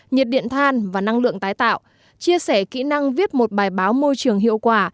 nhiệt điện than và năng lượng tái tạo chia sẻ kỹ năng viết một bài báo môi trường hiệu quả